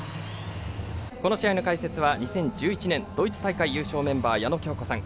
この試合の解説は２０１１年ドイツ大会優勝メンバーの矢野喬子さん。